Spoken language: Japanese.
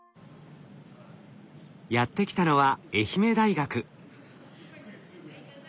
やって来たのは愛媛大学。